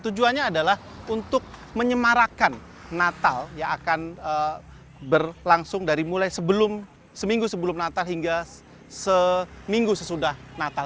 tujuannya adalah untuk menyemarakan natal yang akan berlangsung dari mulai sebelum seminggu sebelum natal hingga seminggu sesudah natal